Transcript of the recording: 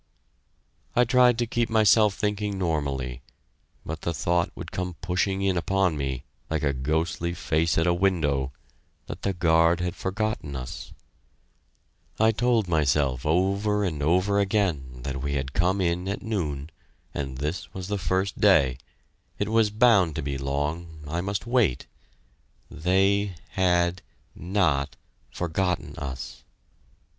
I tried to keep myself thinking normally, but the thought would come pushing in upon me, like a ghostly face at a window, that the guard had forgotten us. I told myself over and over again that we had come in at noon, and this was the first day; it was bound to be long, I must wait! They had not forgotten us.